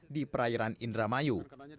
di perairan indramayu